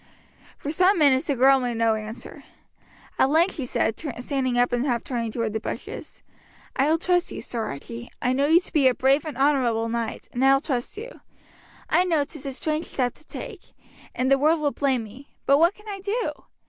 For some minutes the girl made no answer. At length she said, standing up, and half turning toward the bushes: "I will trust you, Sir Archie. I know you to be a brave and honourable knight, and I will trust you. I know 'tis a strange step to take, and the world will blame me; but what can I do?